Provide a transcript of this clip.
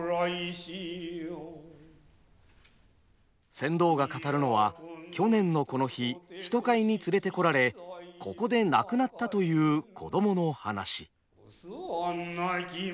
船頭が語るのは去年のこの日人買いに連れてこられここで亡くなったという子どもの話。